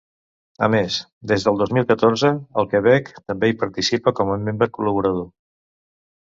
A més, des del dos mil catorze, el Quebec també hi participa com a membre col·laborador.